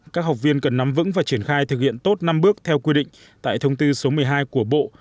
các học viên cần nắm vững và triển khai thực hiện tốt năm bước theo quy định tại thông tư số một mươi hai của bộ